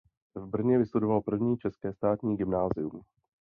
V Brně vystudoval první české státní gymnázium.